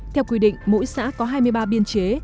theo quy định mỗi xã có hai mươi ba biên chế